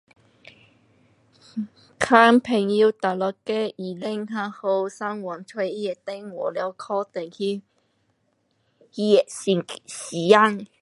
问朋友哪一个医生较好。上网找他的电话了打给他约他的时间。